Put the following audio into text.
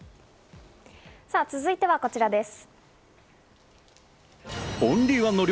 続いてはこちらです。